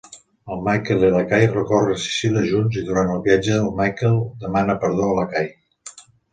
El Michael i la Kay recorre Sicília junts i durant el viatge el Michael demana perdó a la Kay.